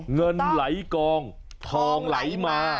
เงินไหลกองทองไหลมา